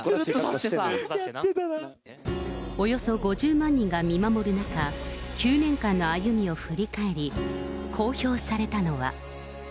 およそ５０万人が見守る中、９年間の歩みを振り返り、公表されたのは。